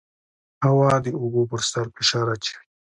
هوا د اوبو پر سر فشار اچوي.